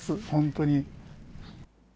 本当に。